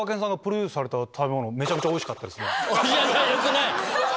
いやいやよくない！